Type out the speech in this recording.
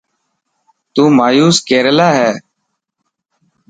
تو مايوس ڪيريريلا هي.